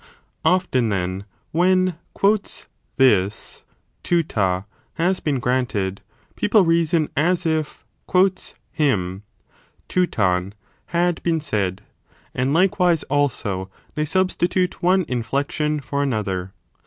Often, then, when this (TOVTO) has been granted, people reason as if him (TOVTOV) had been said: and likewise also they substitute one inflection for another.